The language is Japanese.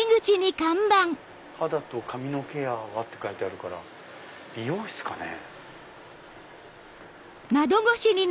「肌と髪のケアは」って書いてあるから美容室かね。